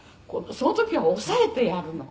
「その時は押さえてやるの」